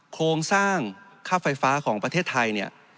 โครงสร้างค่าไฟฟ้าของประเทศไทยเนี่ย